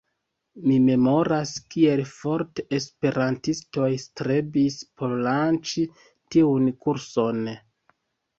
Mi memoras, kiel forte esperantistoj strebis por lanĉi tiun kurson.